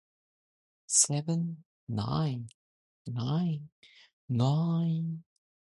This involves examining what issues are ignored and which are made important.